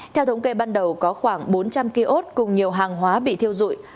theo thống kê ban đầu có khoảng bốn trăm linh kiosk cùng nhiều hàng hóa bị thiêu dụi